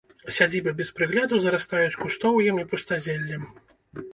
Сядзібы без прыгляду зарастаюць кустоўем і пустазеллем.